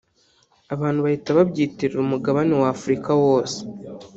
abantu bahita babyitirira umugabane wa Afurika wose